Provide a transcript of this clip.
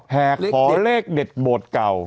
แห่ขอเลขเด็ดโบสถ์เก่า